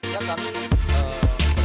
dengan pak sejen